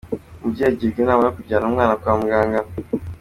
Umubyeyi agirwa inama yo kujyana umwana kwa muganga.